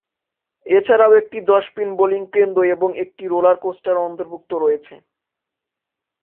এছাড়াও একটি দশ পিন বোলিং কেন্দ্র এবং একটি রোলার কোস্টার অন্তর্ভুক্ত রয়েছে।